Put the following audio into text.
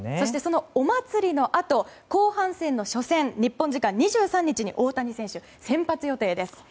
お祭りのあと後半戦の初戦日本時間２３日に大谷選手先発予定です。